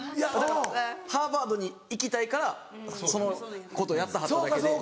ハーバードに行きたいからそのことやってはっただけで。